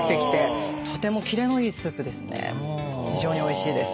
非常においしいです。